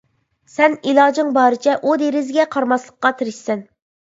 سەن ئىلاجىڭ بارىچە ئۇ دېرىزىگە قارىماسلىققا تىرىشىسەن.